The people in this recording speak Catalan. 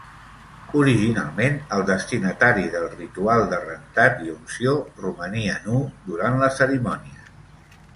Originalment, el destinatari del ritual de rentat i unció romania nu durant la cerimònia.